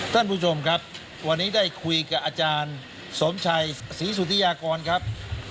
ท่านผู้ชมครับวันนี้ได้คุยกับอาจารย์สมชัยศรีสุธิยากรครับ